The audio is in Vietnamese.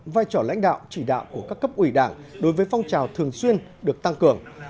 vai trò lãnh đạo chỉ đạo của các cấp ủy đảng đối với phong trào thường xuyên được tăng cường